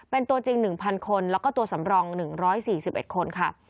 เป็นตัวจริง๑๐๐คนแล้วก็ตัวสำรอง๑๔๑คนค่ะ